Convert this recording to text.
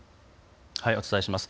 お伝えします。